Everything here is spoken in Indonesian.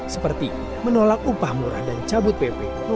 seperti menolak upah murah dan cabut pp no tujuh puluh delapan tahun dua ribu lima belas